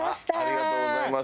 ありがとうございます。